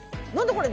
これ。